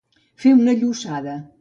Fer una llossada.